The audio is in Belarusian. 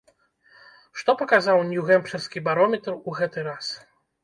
Што паказаў нью-гемпшырскі барометр ў гэты раз?